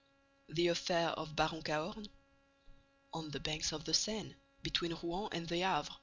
The affair of Baron Cahorn? Or the banks of the Seine, between Rouen and the Havre.